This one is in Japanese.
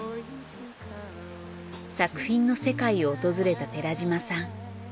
作品の世界を訪れた寺島さん。